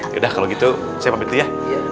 ya udah kalau gitu saya pamit ya